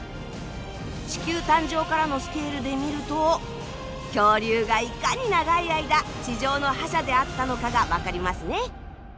地球誕生からのスケールで見ると恐竜がいかに長い間地上の覇者であったのかが分かりますね。